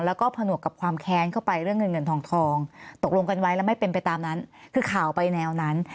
แล้วก็ผนวกกับความแค้นเข้าไปเรื่องเงินเงินทองทองตกลงกันไว้แล้วไม่เป็นไปตามนั้นคือข่าวไปแนวนั้น